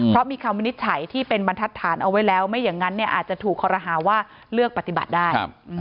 เพราะมีคำวินิจฉัยที่เป็นบรรทัศน์เอาไว้แล้วไม่อย่างนั้นอาจจะถูกคอรหาว่าเลือกปฏิบัติได้